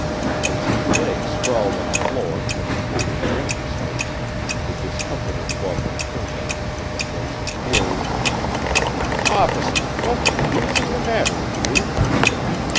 As he lay sprawled on the floor with a foolish grin on his face, the discomfited lover turned on him with a voice of fury. "Officer, what the deuce is the matter with you?"